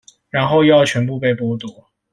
然後又要全部被剝奪